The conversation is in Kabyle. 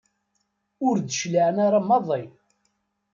Ur d-cliɛen ara maḍi.